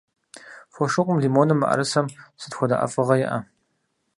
Фошыгъум, лимоным, мыӀэрысэм сыт хуэдэ ӀэфӀыгъэ иӀэ?